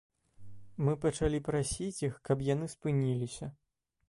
Мы пачалі прасіць іх, каб яны спыніліся.